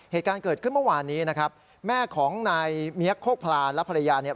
เหตุการณ์เกิดขึ้นเมื่อวานนี้นะครับแม่ของนายเมียกโคกพลานและภรรยาเนี่ย